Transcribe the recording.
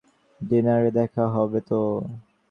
ডিনারে দেখা হবে।